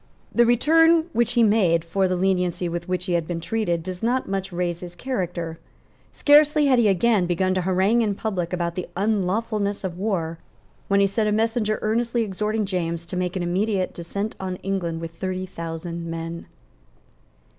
The return which he made for the lenity with which he had been treated does not much raise his character. Scarcely had he again begun to harangue in public about the unlawfulness of war, when he sent a message earnestly exhorting James to make an immediate descent on England with thirty thousand men.